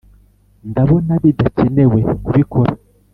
ndabona bidakenewe kubikora.